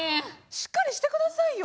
しっかりして下さいよ。